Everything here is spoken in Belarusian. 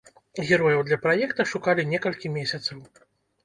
Герояў для праекта шукалі некалькі месяцаў.